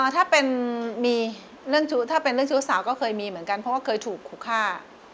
ถ้าเป็นเรื่องชุดสาวก็เคยมีเหมือนกันเพราะว่าเคยถูกคู่ฆ่า